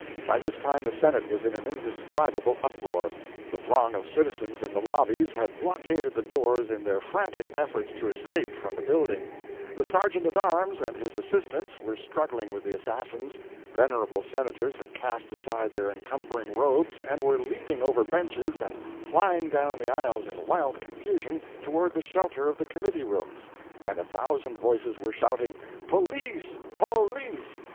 By this time the Senate was in an indescribable uproar; the throng of citizens in the lobbies had blockaded the doors in their frantic efforts to escape from the building, the sergeant at arms and his assistants were struggling with the assassins, venerable senators had cast aside their encumbering robes, and were leaping over benches and flying down the aisles in wild confusion toward the shelter of the committee rooms, and a thousand voices were shouting "Po lice! Po lice!"